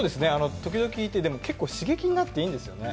時々いて、結構刺激になっていいんですよね。